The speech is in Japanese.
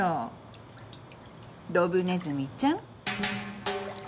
ドブネズミちゃん。